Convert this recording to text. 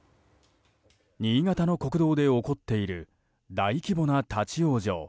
新潟の国道で起こっている大規模な立ち往生。